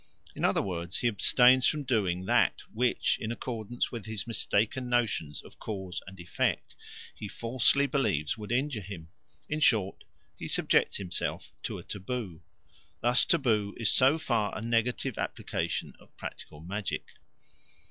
In other words, he abstains from doing that which, in accordance with his mistaken notions of cause and effect, he falsely believes would injure him; in short, he subjects himself to a taboo. Thus taboo is so far a negative application of practical magic.